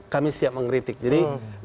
kami siap mengkritik jadi